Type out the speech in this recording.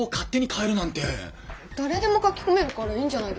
誰でも書き込めるからいいんじゃないですか？